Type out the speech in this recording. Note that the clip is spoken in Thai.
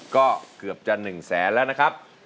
ก็เกือบจะ๑แสนแล้วนะครับ